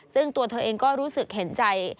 ซึ่งตัวเธอเองก็รู้สึกเห็นใจ